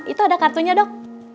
itu ada kartunya dok